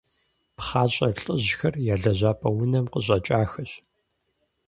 ПхъащӀэ лӀыжьхэр я лэжьапӀэ унэм къыщӀэкӀахэщ.